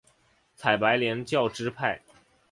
采白莲教支派。